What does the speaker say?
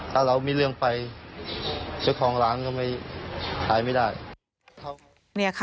ถ้าเรามีเรื่องไปเจ้าของร้านก็ไม่ขายไม่ได้